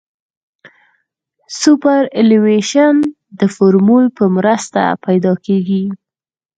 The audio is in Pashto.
سوپرایلیویشن د فورمول په مرسته پیدا کیږي